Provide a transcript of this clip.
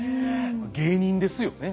芸人ですよね。